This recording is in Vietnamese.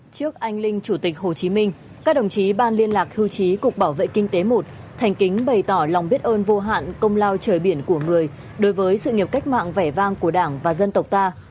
trước anh linh chủ tịch hồ chí minh các đồng chí ban liên lạc hưu trí cục bảo vệ kinh tế một thành kính bày tỏ lòng biết ơn vô hạn công lao trời biển của người đối với sự nghiệp cách mạng vẻ vang của đảng và dân tộc ta